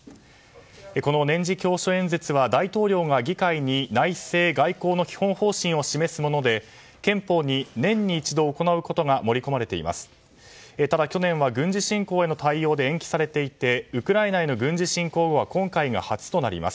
この年次教書演説は大統領が議会に内政・外交の基本方針を示すもので憲法に年に一度行うことが盛り込まれています。